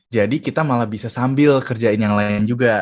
jadi kita malah bisa sambil kerjain yang lain juga